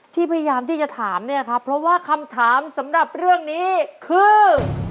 พยายามที่จะถามเนี่ยครับเพราะว่าคำถามสำหรับเรื่องนี้คือ